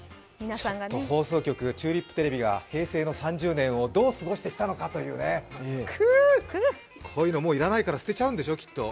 放送局、チューリップテレビが平成の３０年をどう過ごしてきたのかというね、クーッ、こういうの、もう要らないから捨てちゃうんでしょ、きっと。